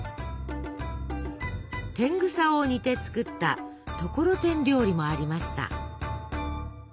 テングサを煮て作ったところてん料理もありました。